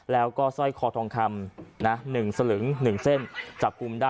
แล้วก็สร้อยคอทองคำนะ๑สลึง๑เส้นจับกลุ่มได้